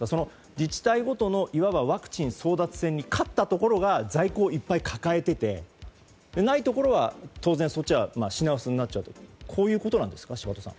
自治体ごとのいわばワクチン争奪戦に勝ったところが在庫をいっぱい抱えていてないところは品薄になっちゃうとこういうことなんでしょうか。